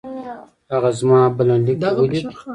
هغه زما بلنليک دې ولېد؟